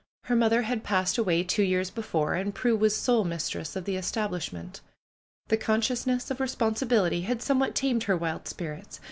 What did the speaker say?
Her mother had passed away two years before, and Prue was sole mistress of the establishment. The consciousness of responsibility had somewhat tamed her wild spirits.